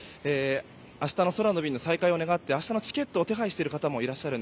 明日の空の便の再開を願ってチケットを手配している方もいます。